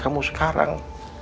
kalau kamu sekarang